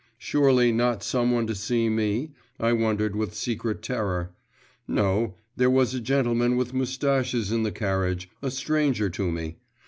Surely not some one to see me, I wondered with secret terror.… No: there was a gentleman with moustaches in the carriage, a stranger to me.